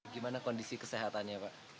gimana kondisi kesehatannya pak